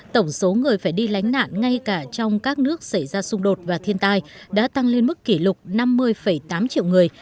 tổng số người phải đi lánh nạn ngay cả trong các nước xảy ra xung đột và thiên tai đã tăng lên mức kỷ lục năm mươi tám triệu người